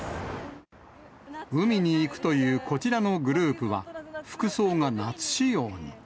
海に行くというこちらのグループは、服装が夏仕様に。